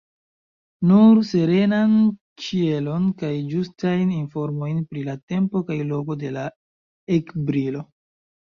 Nur serenan ĉielon kaj ĝustajn informojn pri la tempo kaj loko de la ekbrilo.